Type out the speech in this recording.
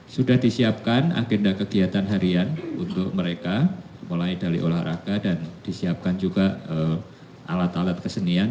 sudah disiapkan agenda kegiatan harian untuk mereka mulai dari olahraga dan disiapkan juga alat alat kesenian